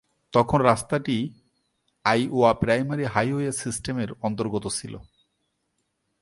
তখন রাস্তাটি Iowa primary highway সিস্টেমের অন্তর্গত ছিল।